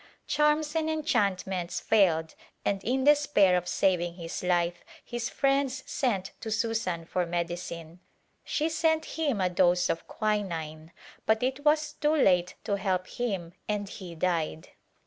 Charms and enchantments failed and in de spair of saving his life his friends sent to Susan for medicine. She sent him a dose of quinine, but it was too late to help him and he died.